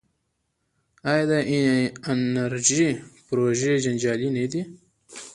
آیا د انرژۍ پروژې جنجالي نه دي؟